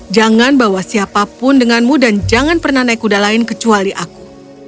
jangan bawa siapapun denganmu dan jangan pernah naik kuda lain kecuali aku